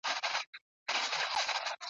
ما ځکه ویلي دي چي منظور پښتین ..